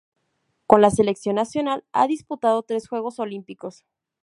Con la selección nacional ha disputado tres Juegos Olímpicos.